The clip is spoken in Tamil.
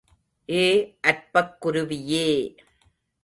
ஏ அற்பக் குருவியே!